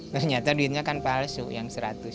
ternyata duitnya kan palsu yang seratus